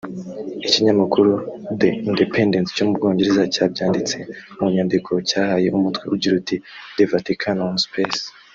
Ikinyamakuru The Independent cyo mu Bwongereza cyabyanditse mu nyandiko cyahaye umutwe ugira uti « The Vatican on space